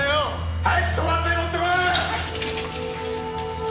はい。